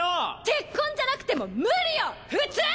鉄コンじゃなくても無理よ普通！